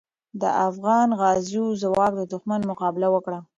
د افغان غازیو ځواک د دښمن مقابله وکړه.